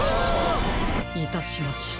いたしました。